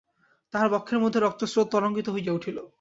তাঁহার বক্ষের মধ্যে রক্তস্রোত তরঙ্গিত হইয়া উঠিল।